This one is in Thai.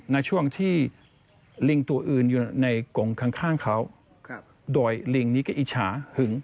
ในช่วงที่ลิงตัวอื่นอยู่ในกงข้างเขาโดยลิงนี้ก็อิจฉาหึง